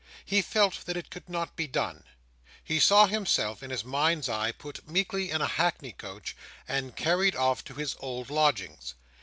He felt that it could not be done. He saw himself, in his mind's eye, put meekly in a hackney coach, and carried off to his old lodgings.